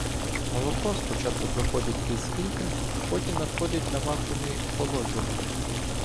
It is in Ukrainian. Молоко спочатку проходить крізь фільтр, а потім надходить на вакуумний охолоджувач.